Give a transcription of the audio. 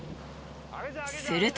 すると。